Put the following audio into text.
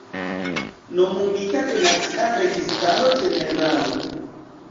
Nomumita de Nacia Registaro generalo.